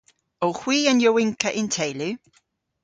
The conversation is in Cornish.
Owgh hwi an yowynkka y'n teylu?